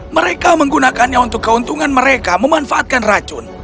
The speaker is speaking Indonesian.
mereka menggunakannya untuk keuntungan mereka memanfaatkan racun